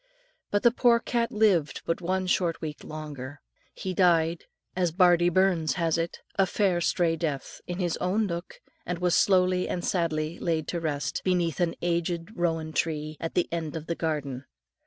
But the poor cat lived but one short week longer. He died, as bardie Burns has it, "a fair strae death" in his own nook, and was slowly and sadly laid to rest, beneath an aged rowan tree at the end of the garden.